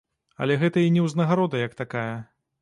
Але гэта і не ўзнагарода як такая.